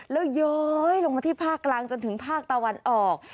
แล้วย้อยลงมาที่ภาคกลางจนถึงภาคตะวันออก